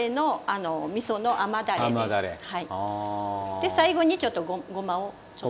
で最後にちょっとごまをちょっと。